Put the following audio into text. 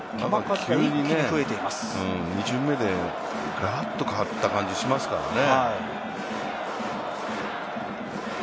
急に２巡目でガラッと変わった感じしましたからね。